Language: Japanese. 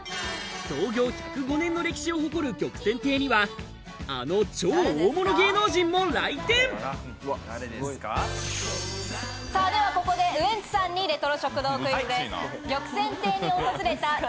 創業１０５年の歴史を誇る玉泉亭にはあの超大物芸能人も来店さぁではここでウエンツさんにレトロ食堂クイズです。